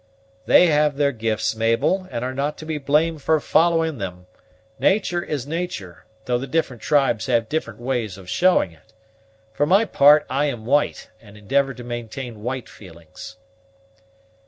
"They have their gifts, Mabel, and are not to be blamed for following them; natur' is natur', though the different tribes have different ways of showing it. For my part I am white, and endeavor to maintain white feelings."